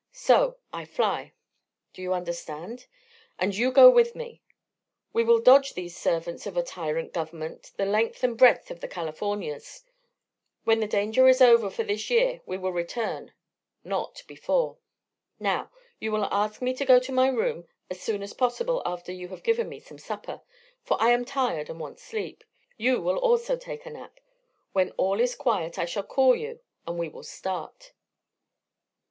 So I fly. Do you understand? and you go with me. We will dodge these servants of a tyrant government the length and breadth of the Californias. When the danger is over for this year we will return not before. Now, you will ask me to go to my room as soon as possible after you have given me some supper, for I am tired and want sleep. You also will take a nap. When all is quiet I shall call you and we will start."